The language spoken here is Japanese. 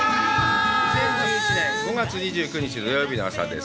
２０２１年５月２９日土曜日の朝です。